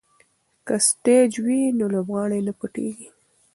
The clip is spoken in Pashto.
که سټیج وي نو لوبغاړی نه پټیږي.